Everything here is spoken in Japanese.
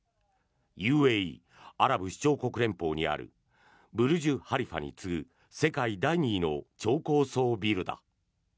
ＵＡＥ・アラブ首長国連邦にあるブルジュ・ハリファに次ぐ世界第２位の超高層ビルだ。